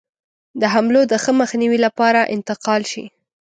د حملو د ښه مخنیوي لپاره انتقال شي.